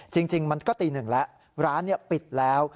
จริงจริงมันก็ตีหนึ่งแล้วร้านเนี้ยปิดแล้ว